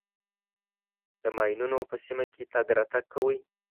د ماینونو په سیمه کې تګ راتګ کوئ.